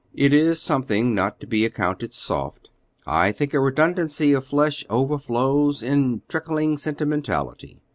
"It is something not to be accounted soft. I think a redundancy of flesh overflows in trickling sentimentality.